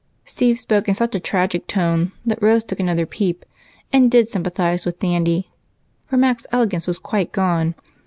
Steve spoke in such a tragic tone that Rose took another peep and did sympathize with Dandy, for Mac's elegance was quite gone.